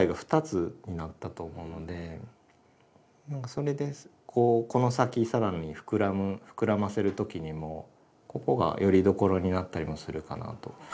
それでこの先更に膨らませる時にもここがよりどころになったりもするかなと。